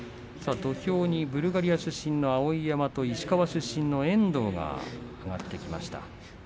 土俵にブルガリア出身の碧山と石川県出身の遠藤が上がってきました。